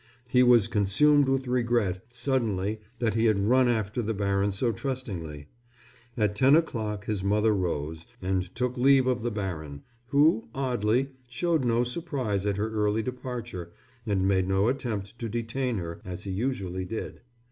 He was consumed with regret, suddenly, that he had run after the baron so trustingly. At ten o'clock his mother rose, and took leave of the baron, who, oddly, showed no surprise at her early departure and made no attempt to detain her as he usually did.